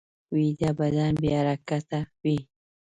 ویده بدن بې حرکته وي